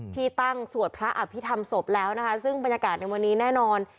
ที่ตั้งสวดพระอภิษฐรรมศพแล้วนะคะซึ่งบรรยากาศในวันนี้แน่นอน